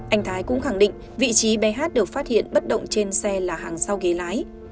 anh thái cũng khẳng định vị trí bh được phát hiện bất động trên xe là hàng sau ghế lái